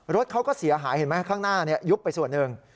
รถเขาก็เสียหายเห็นไหมข้างหน้ายุบไปส่วนหนึ่ง